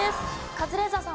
カズレーザーさん。